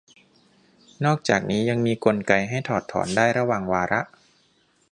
นอกจากนี้ยังมีกลไกให้ถอดถอนได้ระหว่างวาระ